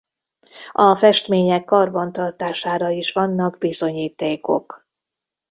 A festmények karbantartására is vannak bizonyítékok.